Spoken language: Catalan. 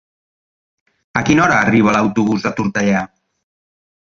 A quina hora arriba l'autobús de Tortellà?